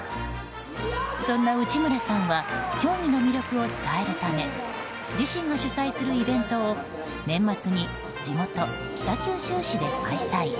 そんな内村さんは競技の魅力を伝えるため自身が主催するイベントを年末に地元・北九州市で開催。